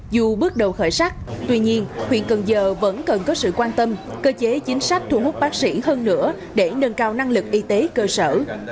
dù bước đầu khởi sắc tuy nhiên huyện cần giờ vẫn cần có sự quan tâm cơ chế chính sách thu hút bác sĩ hơn nữa để nâng cao năng lực y tế cơ sở